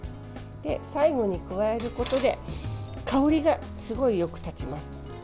最後に加えることで香りがすごいよく立ちます。